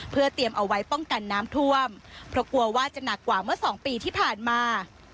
เพื่อเตรียมเอาไว้ป้องกันน้ำท่วมเพราะกลัวว่าจะหนักกว่าเมื่อสองปีที่ผ่านมา